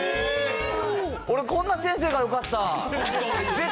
俺、こんな先生がよかった。